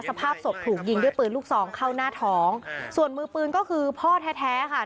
สภาพศพถูกยิงด้วยปืนลูกซองเข้าหน้าท้องส่วนมือปืนก็คือพ่อแท้แท้ค่ะ